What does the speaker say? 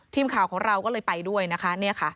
ทีมข่าวของเราก็เลยไปด้วยนะคะ